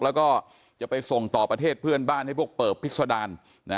แล้วก็จะไปส่งต่อประเทศเพื่อนบ้านให้พวกเปิบพิษดาร